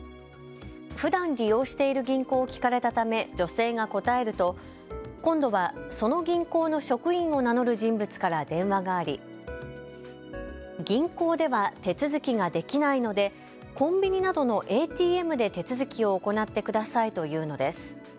ふだん利用している銀行を聞かれたため女性が答えると今度はその銀行の職員を名乗る人物から電話があり銀行では手続きができないのでコンビニなどのＡＴＭで手続きを行ってくださいと言うのです。